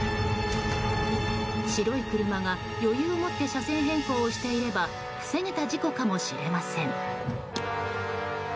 白い車が余裕をもって車線変更をしていれば防げた事故かもしれません。